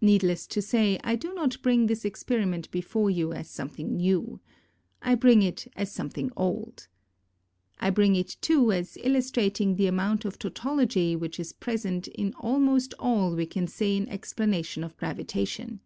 Needless to say, I do not bring this experiment before you as something new. I bring it as something old. AND RE LATI VIT Y 9 I bring it too as illustrating the amount of tautology which is present in almost all we can say in explanation of gravitation.